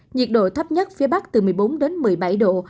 nhiệt độ thấp nhất phía bắc từ một mươi bốn đến một mươi bảy độ